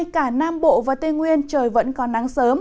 cả nam bộ và tây nguyên trời vẫn còn nắng sớm